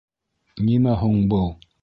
Нимә һуң был?